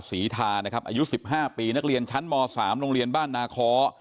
ศรีทานะครับอายุ๑๕ปีนักเรียนชั้นม๓โรงเรียนบ้านนาคอ